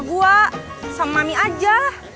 sama gue sama mami aja